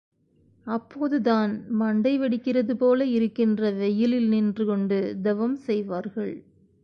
அப்போது தான் மண்டை வெடிக்கிறது போல இருக்கின்ற வெயிலில் நின்று கொண்டு தவம் செய்வார்கள்.